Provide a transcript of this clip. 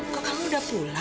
kok kamu udah pulang